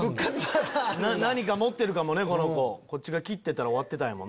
何か持ってるかもねこの子こっちが切ってたら終わってた。